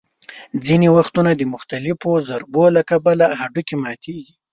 ځینې وخت د مختلفو ضربو له کبله هډوکي ماتېږي.